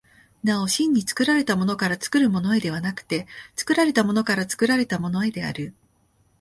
なお真に作られたものから作るものへではなくて、作られたものから作られたものへである。